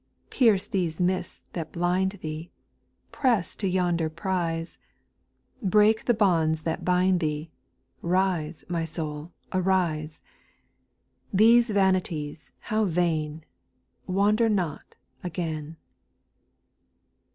5. Pierce these mists that blind thee, Press to yonder prize. Break the bonds that bind thee : Rise, my soul arise ! These vanities how vain ! Wander not again.